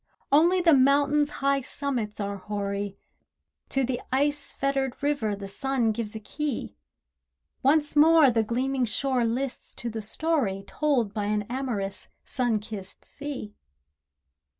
Only the mountains' high summits are hoary, To the ice fettered river the sun gives a key. Once more the gleaming shore lists to the story Told by an amorous Summer kissed sea.